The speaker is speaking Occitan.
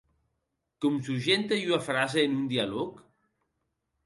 Com surgente ua frasa en un dialòg?